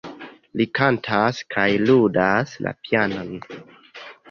Li kantas kaj ludas la pianon.